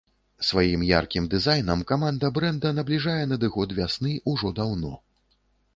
Сваім яркім дызайнам каманда брэнда набліжае надыход вясны ўжо даўно.